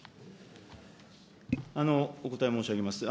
お答え申し上げます。